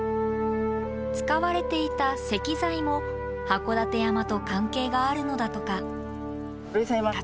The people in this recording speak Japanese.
使われていた石材も函館山と関係があるのだとか。